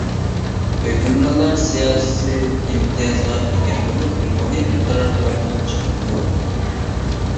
ھۆكۈمرانلار سىياسىي ئىمتىيازغا ئىگە بولۇپ، مۇھىم قارارلارنى چىقىرىدۇ.